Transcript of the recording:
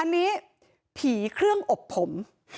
อันนี้ผีเครื่องอบผม